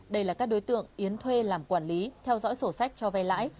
đây là các đối tượng yến thuê làm quản lý theo dõi sổ sách cho vay lãi